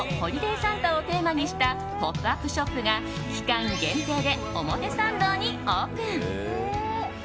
サンタをテーマにしたポップアップショップが期間限定で表参道にオープン。